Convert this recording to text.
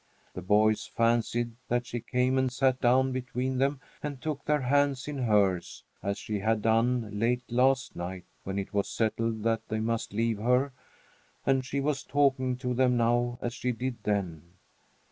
The boys fancied that she came and sat down between them and took their hands in hers, as she had done late last night, when it was settled that they must leave her; and she was talking to them now as she did then.